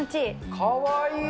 かわいい。